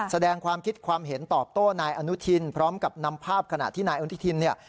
แสดงความคิดความเห็นตอบโต้นายอนุทินพร้อมกับนำภาพขณะที่นายอนุทินเนี่ย